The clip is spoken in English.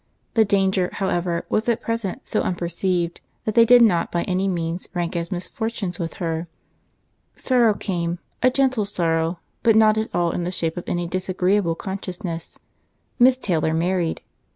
The danger, however, was at present so unperceived, that they did not by any means rank as misfortunes with her. Sorrow came—a gentle sorrow—but not at all in the shape of any disagreeable consciousness.—Miss Taylor married.